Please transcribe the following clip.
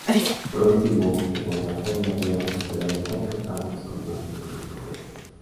Por último, el guardapolvo habría hospedado cuatro tablas con imágenes de los profetas.